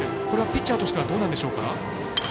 これはピッチャーとしてどうなんでしょうか？